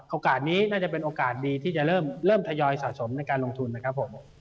โอกาสนี้น่าจะเป็นโอกาสดีที่จะเริ่มทยอยสะสมในการลงทุนนะครับผม